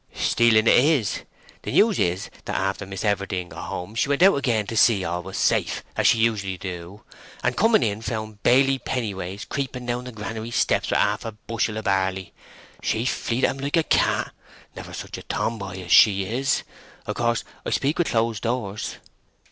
"Stealing it is. The news is, that after Miss Everdene got home she went out again to see all was safe, as she usually do, and coming in found Baily Pennyways creeping down the granary steps with half a bushel of barley. She fleed at him like a cat—never such a tomboy as she is—of course I speak with closed doors?"